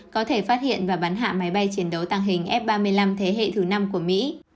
có thể phát hiện và bắn hạ máy bay chiến đấu tàng hình f ba mươi năm thế hệ thứ năm của mỹ